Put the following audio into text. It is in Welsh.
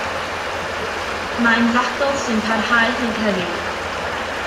Mae'n ddadl sy'n parhau hyd heddiw.